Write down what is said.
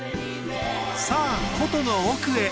さあ古都の奥へ！